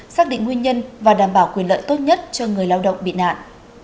xác định nguyên nhân và đảm bảo quyền lợi tốt nhất cho người lao động bị nạn